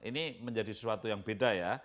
ini menjadi sesuatu yang beda ya